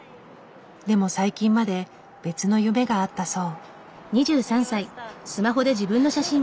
でも最近まで別の夢があったそう。